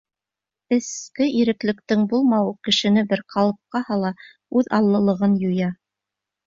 Эске иреклектең булмауы кешене бер ҡалыпҡа һала, үҙ аллылығын юя.